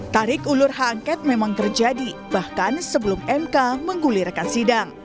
tarik ulur hak angket memang terjadi bahkan sebelum mk menggulirkan sidang